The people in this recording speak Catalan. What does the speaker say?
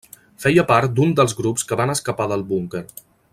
Feia part d'un dels grups que van escapar del búnquer.